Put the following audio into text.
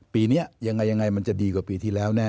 ปีนี้ยังไงมันจะดีกว่าปีที่แล้วแน่